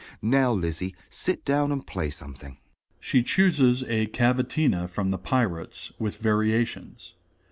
Now, Lizzie, sit down and play something. (_She chooses a cavatina from "The Pirates," with variations.